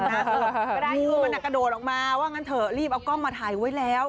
คือมันกระโดดออกมาว่างั้นเถอะรีบเอากล้องมาถ่ายไว้แล้ว